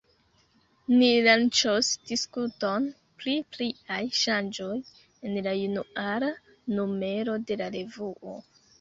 Ni lanĉos diskuton pri pliaj ŝanĝoj en la januara numero de la revuo.